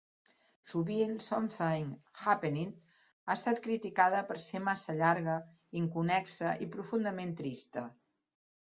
Sovint, "Something Happened" ha estat criticada per ser massa llarga, inconnexa i profundament trista.